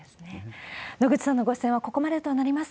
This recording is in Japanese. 野口さんのご出演はここまでとなります。